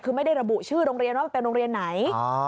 คือไม่ได้ระบุชื่อโรงเรียนว่ามันเป็นโรงเรียนไหน